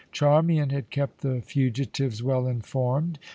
Charmian had kept the fugitives well informed.